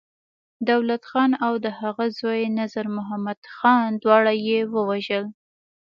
دولت خان او د هغه زوی نظرمحمد خان، دواړه يې ووژل.